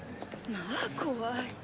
まあ怖い。